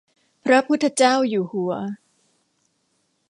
พระพุทธเจ้าอยู่หัว